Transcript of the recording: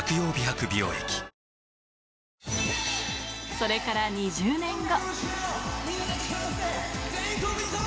それから２０年後。